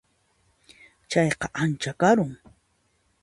Chayqa ancha karun.